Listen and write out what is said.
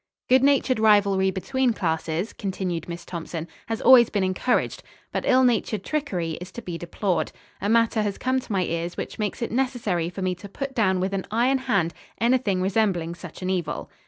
"Good natured rivalry between classes," continued Miss Thompson, "has always been encouraged, but ill natured trickery is to be deplored. A matter has come to my ears which makes it necessary for me to put down with an iron hand anything resembling such an evil.